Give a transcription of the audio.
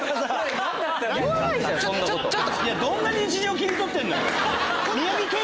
どんな日常切り取ってんの？